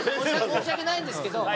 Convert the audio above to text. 申し訳ないんですけど。